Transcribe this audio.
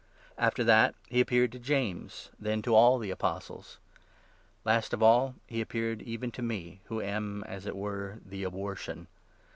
After that, he appeared 7 to James, and then to all the Apostles. Last of all, he appeared 8 even to me, who am, as it were, the abortion.